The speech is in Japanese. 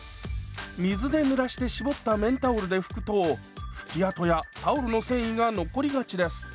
水でぬらして絞った綿タオルで拭くと拭き跡やタオルの繊維が残りがちです。